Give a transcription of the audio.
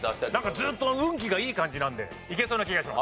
ずっと運気がいい感じなんでいけそうな気がします。